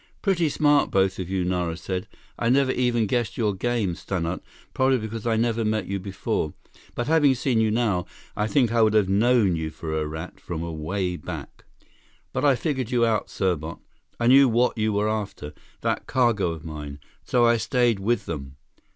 "Pretty smart, both of you," Nara said. "I never even guessed your game, Stannart, probably because I never met you before. But having seen you now, I think I would have known you for a rat from away back. "But I figured you out, Serbot. I knew what you were after—that cargo of mine. So I stayed with them."